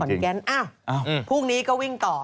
คุณขนรกรแก๊สพรุ่งนี้ก็วิ่งต่อ